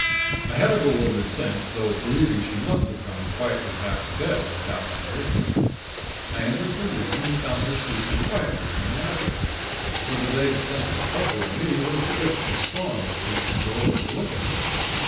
I had a bewildered sense though believing she must have gone quietly back to bed, without my hearing her. I entered her room and found her sleeping quietly and naturally; for the vague sense of trouble in me was sufficiently strong to make me go over to look at her.